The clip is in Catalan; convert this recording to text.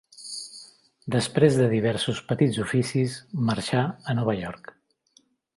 Després de diversos petits oficis, marxa a Nova York.